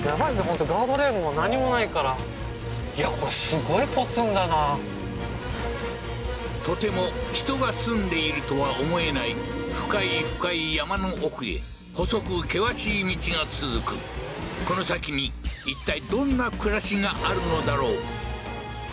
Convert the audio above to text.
結構とても人が住んでいるとは思えない深い深い山の奥へ細く険しい道が続くこの先にいったいどんな暮らしがあるのだろう？